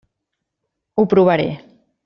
Ho provaré.